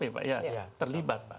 iya terlibat pak